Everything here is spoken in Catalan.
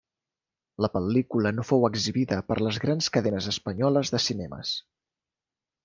La pel·lícula no fou exhibida per les grans cadenes espanyoles de cinemes.